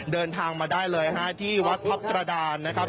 เดินทางมาได้เลยฮะที่วัดทัพกระดานนะครับ